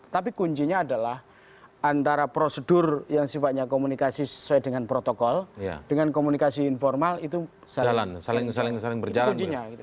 tapi kuncinya adalah antara prosedur yang sifatnya komunikasi sesuai dengan protokol dengan komunikasi informal itu saling berjalan